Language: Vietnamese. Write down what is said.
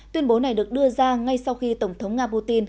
tuyên bố này được đưa ra ngay sau khi tổng thống nga putin